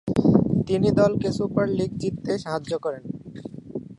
তিনি দলকে super league জিততে সাহায্য করেন।